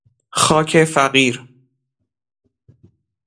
خاک فقیر